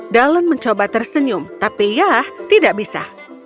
dallon mencoba tersenyum tapi ya tidak bisa